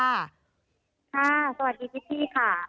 ค่ะสวัสดีพี่พี่ค่ะ